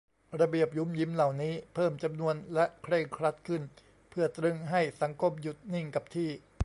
ระเบียบหยุมหยิมเหล่านี้ เพิ่มจำนวนและเคร่งครัดขึ้น เพื่อตรึงให้สังคมหยุดนิ่งกับที่